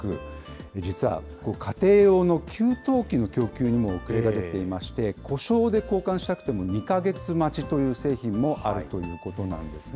実は家庭用の給湯器の供給にも遅れが出ていまして、故障で交換したくても２か月待ちという製品もあるということなんですね。